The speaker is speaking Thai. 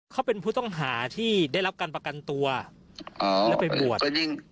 เขาเป็นผู้ต้องหาที่ได้รับการประกันตัวแล้วไปบวช